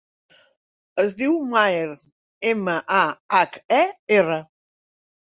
Es diu Maher: ema, a, hac, e, erra.